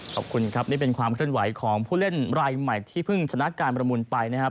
ขอบคุณครับนี่เป็นความเคลื่อนไหวของผู้เล่นรายใหม่ที่เพิ่งชนะการประมูลไปนะครับ